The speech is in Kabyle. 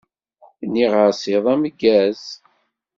Nniɣ-as iḍ ameggaẓ.